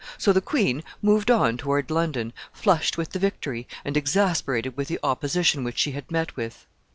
So the queen moved on toward London, flushed with the victory, and exasperated with the opposition which she had met with.